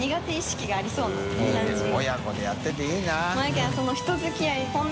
親子でやってていいな。